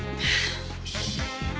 よし。